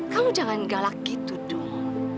kamu jangan galak gitu dong